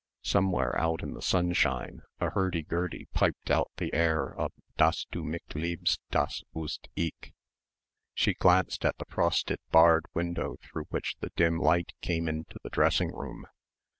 Somewhere out in the sunshine a hurdy gurdy piped out the air of "Dass du mich liebst das wusst ich." She glanced at the frosted barred window through which the dim light came into the dressing room.